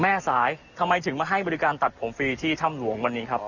แม่สายทำไมถึงมาให้บริการตัดผมฟรีที่ถ้ำหลวงวันนี้ครับ